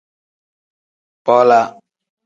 Bola.